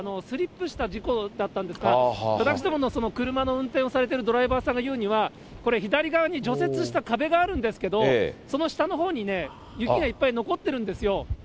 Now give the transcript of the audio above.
スリップした事故だったんですが、私どもの車の運転をされているドライバーさんが言うには、これ、左側に除雪した壁があるんですけど、その下のほうにね、雪がいっぱい残ってるんですよ。